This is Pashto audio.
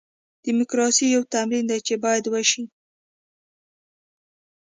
ډیموکراسي یو تمرین دی چې باید وشي.